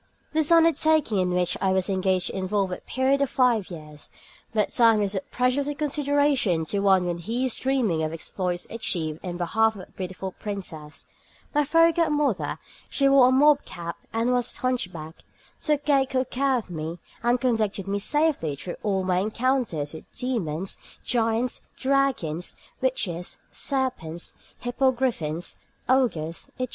This undertaking in which I was engaged involved a period of five years, but time is of precious little consideration to one when he is dreaming of exploits achieved in behalf of a beautiful princess. My fairy godmother (she wore a mob cap and was hunchbacked) took good care of me, and conducted me safely through all my encounters with demons, giants, dragons, witches, serpents, hippogriffins, ogres, etc.